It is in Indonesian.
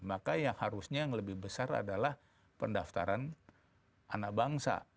maka yang harusnya yang lebih besar adalah pendaftaran anak bangsa